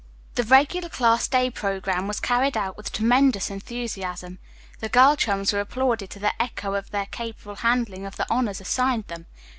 The regular class day programme was carried out with tremendous enthusiasm. The girl chums were applauded to the echo for their capable handling of the honors assigned them.